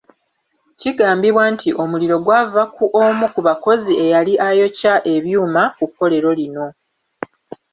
Kigambibwa nti omuliro gwava ku omu ku bakozi eyali ayokya ebyuma ku kkolero lino.